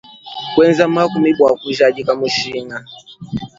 Kuenza makumi bua kujadika mushinga.